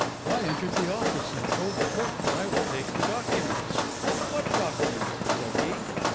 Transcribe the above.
I entered the office, and told the clerk that I would take the documents. "'What documents?' said he.